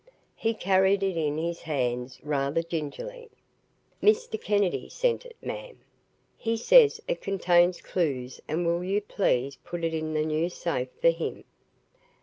He carried it in his hands rather gingerly. "Mr. Kennedy sent it, ma'am. He says it contains clues and will you please put it in the new safe for him."